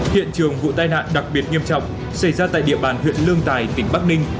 hiện trường vụ tai nạn đặc biệt nghiêm trọng xảy ra tại địa bàn huyện lương tài tỉnh bắc ninh